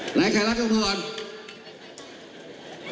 หลายใครรักกันพอ